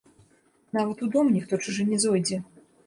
Нават у дом ніхто чужы не зойдзе.